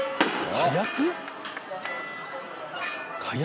火薬？